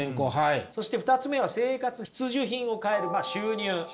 そして２つ目は生活必需品を買えるまあ収入。